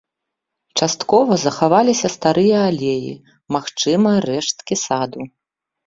Часткова захаваліся старыя алеі, магчыма, рэшткі саду.